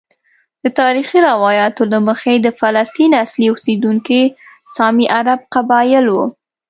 د تاریخي روایاتو له مخې د فلسطین اصلي اوسیدونکي سامي عرب قبائل وو.